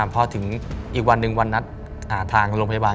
พอถึงอีกวันหนึ่งวันนัดทางโรงพยาบาล